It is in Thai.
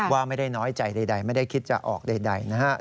ว่าไม่ได้น้อยใจใดไม่ได้คิดจะออกใดนะฮะ